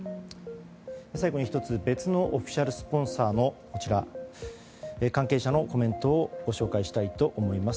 最後に１つ別のオフィシャルスポンサーの関係者のコメントをご紹介したいと思います。